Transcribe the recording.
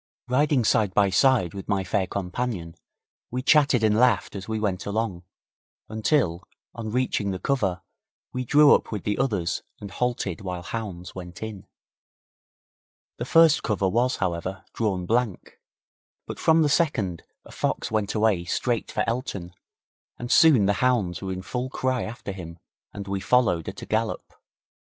Riding side by side with my fair companion, we chatted and laughed as we went along, until, on reaching the cover, we drew up with the others and halted while hounds went in. The first cover was, however, drawn blank, but from the second a fox went away straight for Elton, and soon the hounds were in full cry after him and we followed at a gallop.